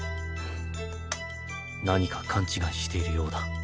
何か勘違いしているようだ。